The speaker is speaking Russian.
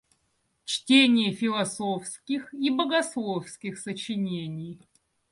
Чтение философских и богословских сочинений.